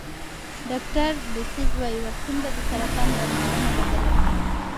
ډاکټر ډسیس وايي واکسین به د سرطان درملنه بدله کړي.